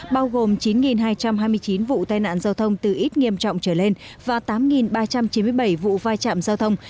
bao gồm chín hai trăm hai mươi chín vụ tai nạn giao thông từ ít nghiêm trọng trở lên và tám ba trăm chín mươi bảy vụ vai trạm giao thông